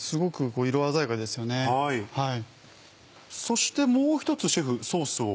そしてもう一つシェフソースを。